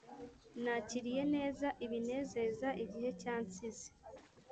nakiriye neza ibinezeza igihe cyansize